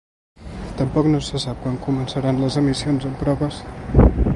Tampoc no se sap quan començaran les emissions en proves.